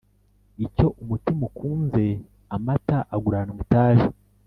Icyo umutima ukunze ,amata aguranwa itabi